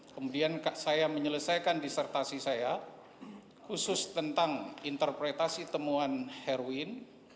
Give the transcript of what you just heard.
kemudian saya menyelesaikan disertasi saya khusus tentang interpretasi temuan herwin